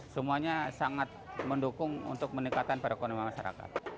semuanya sangat mendukung untuk meningkatkan perekonomian masyarakat